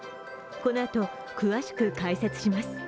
このあと詳しく解説します。